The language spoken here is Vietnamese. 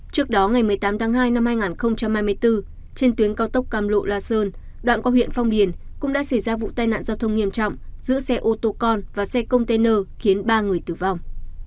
trước đó ngày một mươi tám tháng hai năm hai nghìn hai mươi bốn trên tuyến cao tốc cam lộ la sơn đoạn qua huyện phong điền cũng đã xảy ra vụ tai nạn giao thông nghiêm trọng giữa xe ô tô con và xe container khiến ba người tử vong